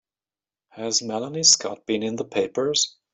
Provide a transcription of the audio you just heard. Has Melanie Scott been in the papers?